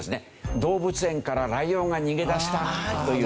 動物園からライオンが逃げ出したというデマの投稿。